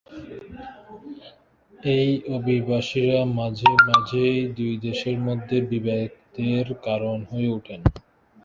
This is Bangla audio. এই অভিবাসীরা মাঝে মাঝেই দুই দেশের মধ্যে বিবাদের কারণ হয়ে ওঠেন।